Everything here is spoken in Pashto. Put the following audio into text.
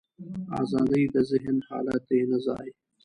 ازادي د ذهن حالت دی، نه ځای.